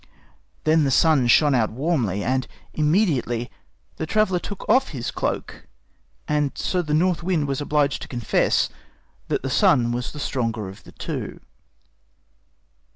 Then the Sun shined out warmly, and immediately the traveler took off his cloak. And so the North Wind was obliged to confess that the Sun was the stronger of the two.